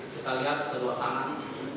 kita lihat kedua tangan